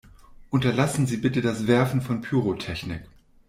Unterlassen Sie bitte das Werfen von Pyrotechnik!